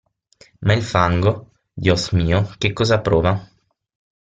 Ma il fango, Dios mio, che cosa prova?